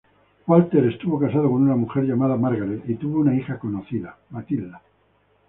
Walter estuvo casado con una mujer llamada Margaret, y tuvo una hija conocido, Matilda.